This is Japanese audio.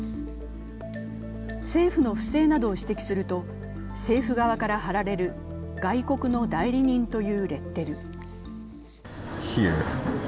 政府の不正などを指摘すると政府側からはられる外国の代理人というレッテル。